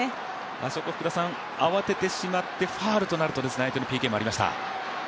あそこ慌ててしまってファウルとなると相手のＰＫもありました。